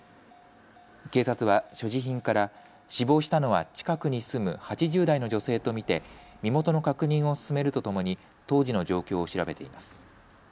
警察は所持品から死亡したのは近くに住む８０代の女性と見て身元の確認を進めるとともに当時の状況を調べています。